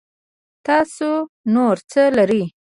تاسو نور څه لرئ